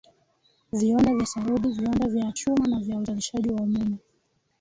viwanda vya saruji viwanda vya chuma na vya uzalishaji wa umeme